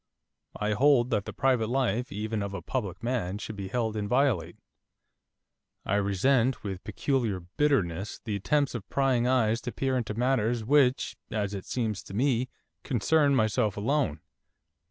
I hold that the private life even of a public man should be held inviolate. I resent, with peculiar bitterness, the attempts of prying eyes to peer into matters which, as it seems to me, concern myself alone.